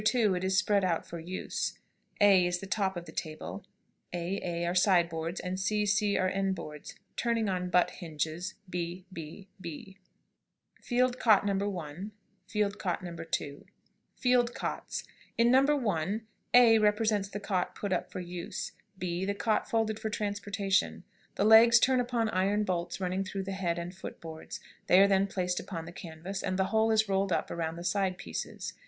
2 it is spread out for use. A is the top of the table; a, a are side boards, and c, c are end boards, turning on butt hinges, b, b, b. [Illustration: FIELD COT. NO. 1.] [Illustration: FIELD COT. NO. 2.] FIELD COTS. In No. 1, A represents the cot put up for use; B, the cot folded for transportation. The legs turn upon iron bolts running through the head and foot boards; they are then placed upon the canvas, and the whole is rolled up around the side pieces.